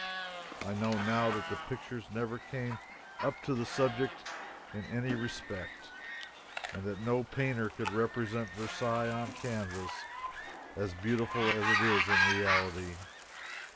I know now that the pictures never came up to the subject in any respect, and that no painter could represent Versailles on canvas as beautiful as it is in reality.